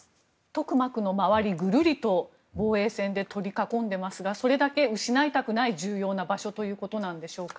トクマクの周り、ぐるりと防衛線で取り囲んでいますがそれだけ失いたくない重要な場所ということでしょうか。